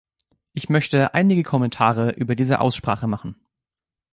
Ich möchte einige Kommentare über diese Aussprache machen.